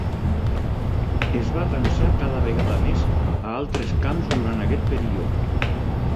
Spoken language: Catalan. Es va atansar cada vegada més a altres camps durant aquest període.